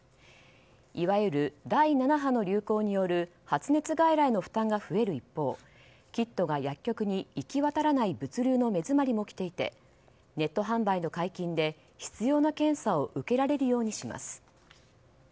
いわゆる第７波の流行による発熱外来の負担が増える一方キットが薬局にいきわたらない物流の根詰まりも起きていてネット販売の解禁で必要な検査を受けられるようにします。